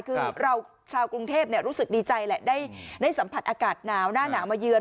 คือเราชาวกรุงเทพรู้สึกดีใจแหละได้สัมผัสอากาศหนาวหน้าหนาวมาเยือน